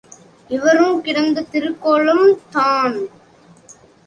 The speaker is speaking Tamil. இவரும் கிடந்த திருக்கோலம் தான்.